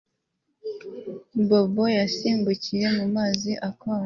Bobo yasimbukiye mu mazi akonje